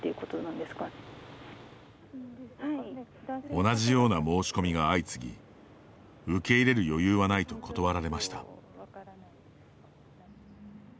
同じような申し込みが相次ぎ受け入れる余裕はないと断られました。